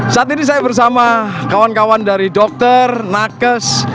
saat ini saya bersama kawan kawan dari dokter nakes